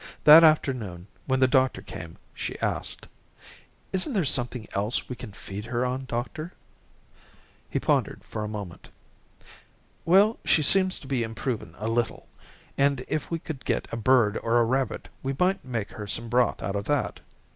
That afternoon, when the doctor came, she asked: "Isn't there something else we can feed her on, doctor?" He pondered for a moment. "Well, she seems to be improving a little, and if we could get a bird or a rabbit we might make her some broth out of that."